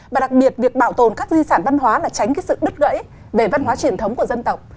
và đặc biệt việc bảo tồn các di sản văn hóa là tránh cái sự đứt gãy về văn hóa truyền thống của dân tộc